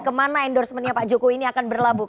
kemana endorsementnya pak jokowi ini akan berlabuh